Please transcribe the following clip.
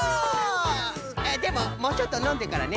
あっでももうちょっとのんでからね。